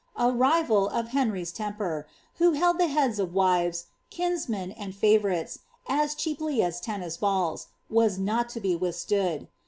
A rival, of Jlenry's temper, wlio held the heads of wives, kinsmen, and fcvourites, as cheaply as tennis halls, was not to be withstood.